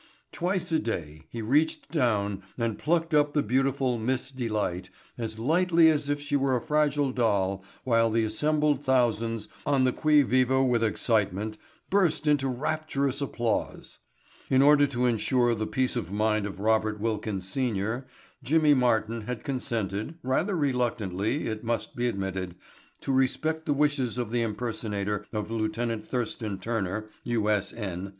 Twice a day he reached down and plucked up the beautiful Miss Delight as lightly as if she were a fragile doll while the assembled thousands, on the qui vive with excitement, burst into rapturous applause. In order to insure the peace of mind of Robert Wilkins, Sr., Jimmy Martin had consented, rather reluctantly it must be admitted, to respect the wishes of the impersonator of Lieut. Thurston Turner, U.S.N.